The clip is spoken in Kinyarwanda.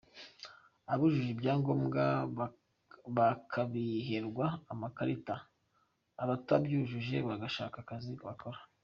Abujuje ibya ngombwa bakabiherwa amakarita abatabyujuje bagashaka akazi bakora.